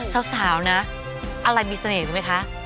สาวนะอะไรมีเสน่ห์รู้ไหมคะ